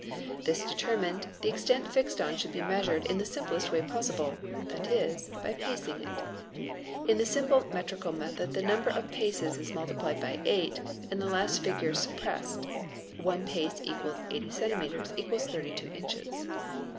This determined, the extent fixed on should be measured in the simplest way possible, that is, by pacing it. In the simple metrical method the number of paces is multiplied by 8 and the last figure suppressed (1 pace = 80 cms == 32 inches).